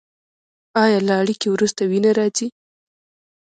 ایا له اړیکې وروسته وینه راځي؟